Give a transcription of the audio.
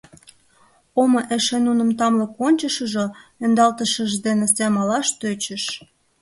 Омо эше нуным тамле кончышыжо, ӧндалтышыж дене семалаш тӧчыш.